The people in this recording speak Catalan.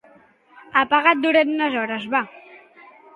Apaga't durant unes hores, va.